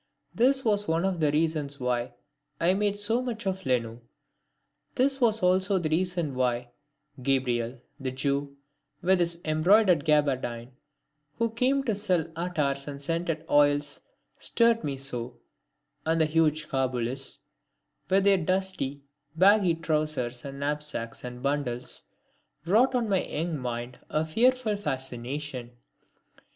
This was one of the reasons why I made so much of Lenu. This was also the reason why Gabriel, the Jew, with his embroidered gaberdine, who came to sell attars and scented oils, stirred me so; and the huge Kabulis, with their dusty, baggy trousers and knapsacks and bundles, wrought on my young mind a fearful fascination.